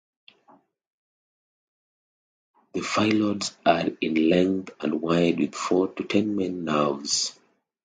The phyllodes are in length and wide with four to ten main nerves.